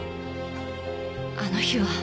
あの日は。